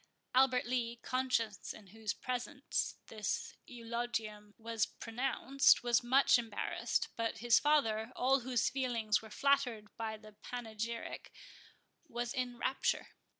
Albert Lee, conscious in whose presence this eulogium was pronounced, was much embarrassed; but his father, all whose feelings were flattered by the panegyric, was in rapture.